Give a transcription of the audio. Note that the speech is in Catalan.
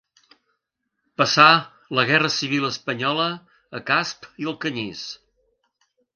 Passà la guerra civil espanyola a Casp i Alcanyís.